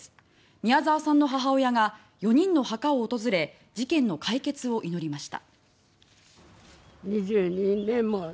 宮沢さんの母親が４人の墓を訪れ事件の解決を祈りました。